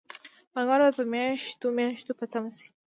پانګوال باید په میاشتو میاشتو په تمه شي